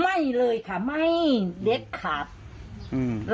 ไม่เลยค่ะไม่เด็กขาด